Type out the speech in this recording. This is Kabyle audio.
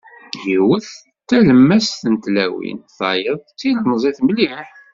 Yiwet d talemmast n tlawin, tayeḍt d tilmẓit mliḥ.